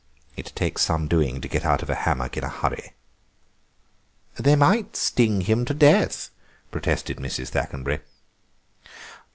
It takes some doing to get out of a hammock in a hurry." "They might sting him to death," protested Mrs. Thackenbury.